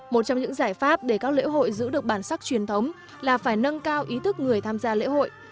một trong những giải pháp để các lễ hội giữ được bản sắc truyền thống là phải nâng cao ý thức người tham gia lễ hội